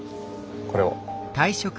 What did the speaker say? これを。